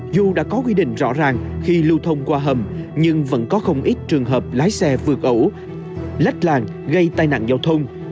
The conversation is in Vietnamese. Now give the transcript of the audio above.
dù đã có quy định rõ ràng khi lưu thông qua hầm nhưng vẫn có không ít trường hợp lái xe vượt ẩu lách làng gây tai nạn giao thông